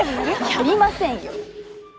やりませんよ！